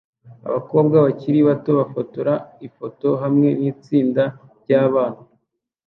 Abakobwa bakiri bato bafotora ifoto hamwe nitsinda ryabana